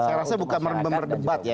saya rasa bukan berdebat ya